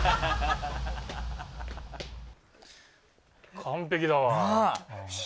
完璧だわ！